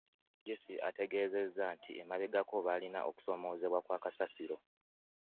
Jesse ategeezezza nti emabegako baalina okusoomoozebwa kwa kasasiro